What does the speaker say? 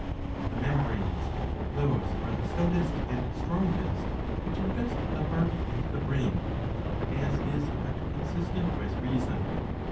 Of the membranes those are the stoutest and strongest, which invest the heart and the brain ;^ as is but consistent with reason.